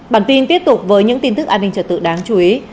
bản tin tiếp tục với những tin tức an ninh trật tự đáng chú ý